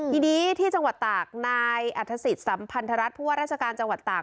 ทีนี้ที่จังหวัดตากนายอัฐศิษย์สัมพันธรัฐผู้ว่าราชการจังหวัดตาก